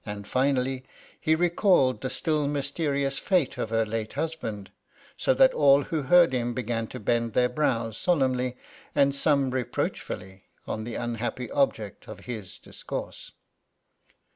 finally, he recalled the still mysterious fate of her late husband ; so that all who heard him began to bend their brows solemnly, and some reproachfully, on the unhappy object of his dis course.